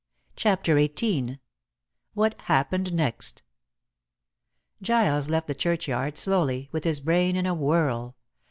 CHAPTER XVIII WHAT HAPPENED NEXT Giles left the churchyard slowly, with his brain in a whirl.